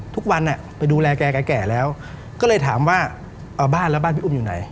ทุกวันไปดูแลแกแก่แล้วก็เลยถามว่าเอาบ้านแล้วบ้านพี่อุ้มอยู่ไหน